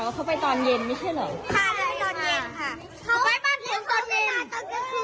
งั้นครูก็คิดว่าถึงคุณขอไปร้ายเพื่อสร้างใช่ไหม